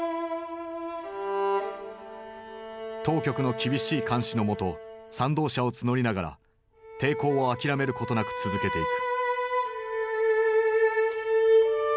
当局の厳しい監視の下賛同者を募りながら抵抗を諦めることなく続けていく。